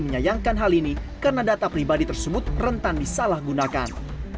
menyayangkan hal ini karena data pribadi tersebut rentan disalahgunakan